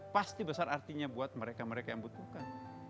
pasti besar artinya buat mereka mereka yang butuhkan